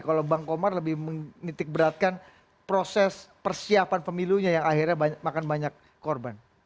kalau bang komar lebih menitik beratkan proses persiapan pemilunya yang akhirnya makan banyak korban